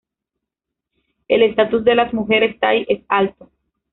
El estatus de las mujeres tai es alto.